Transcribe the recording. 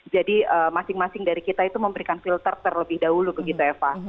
jadi masing masing dari kita itu memberikan filter terlebih dahulu begitu eva